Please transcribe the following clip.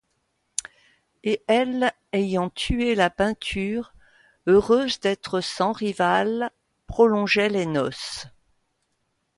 Et elle, ayant tué la peinture, heureuse d'être sans rivale, prolongeait les noces.